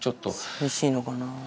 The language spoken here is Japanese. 寂しいのかな。